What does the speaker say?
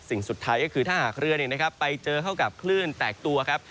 สิ่งสุดท้ายก็คือถ้าหากเรือไปเจอเข้ากับคลื่นแตกตัวครับ